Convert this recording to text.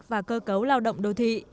và cơ cấu lao động đô thị